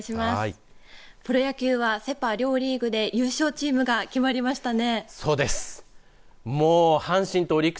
プロ野球は、セ・パ両リーグで優勝チームが決まりましたね。